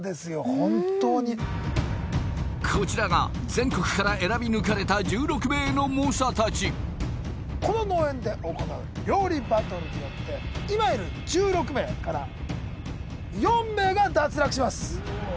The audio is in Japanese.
本当にこちらが全国から選び抜かれた１６名の猛者たちこの農園で行う料理バトルによって今いる１６名から４名が脱落しますう